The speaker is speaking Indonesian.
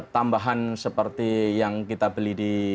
tambahan seperti yang kita beli di